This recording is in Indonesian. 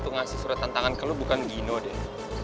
ngasih surat tantangan ke lu bukan gino deh